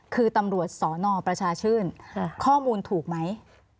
คือตำรวจสนประชาชื่นข้อมูลถูกไหม